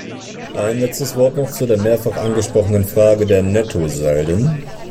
Ein letztes Wort noch zu der mehrfach angesprochenen Frage der Nettosalden.